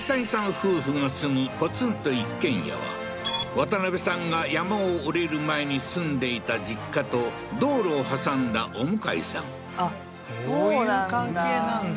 夫婦が住むポツンと一軒家は渡辺さんが山を下りる前に住んでいた実家と道路を挟んだお向かいさんあっそうなんだ